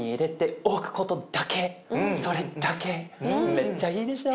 めっちゃいいでしょ。